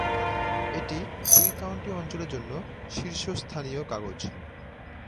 এটি দুই কাউন্টি অঞ্চলের জন্য শীর্ষস্থানীয় কাগজ।